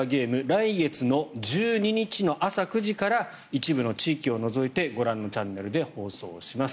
来月の１２日の朝９時から一部の地域を除いてご覧のチャンネルで放送します。